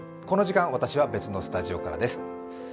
この時間、私は別のスタジオからです。